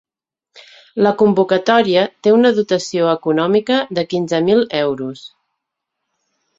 La convocatòria té una dotació econòmica de quinze mil euros.